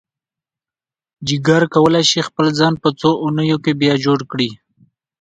جگر کولی شي خپل ځان په څو اونیو کې بیا جوړ کړي.